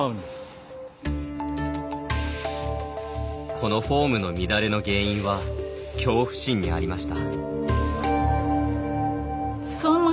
このフォームの乱れの原因は恐怖心にありました。